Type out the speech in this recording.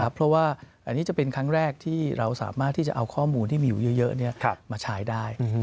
เพราะว่าอันนี้จะเป็นครั้งแรกที่เราสามารถที่จะเอาข้อมูลที่มีอยู่เยอะมาใช้ได้